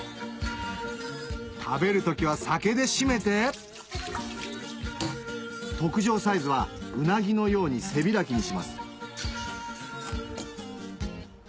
食べる時は酒で締めて特上サイズはウナギのように背開きにします